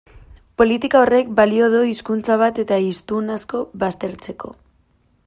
Politika horrek balio du hizkuntza bat eta hiztun asko baztertzeko.